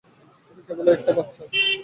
তুমি কেবলই একটা বাচ্চা।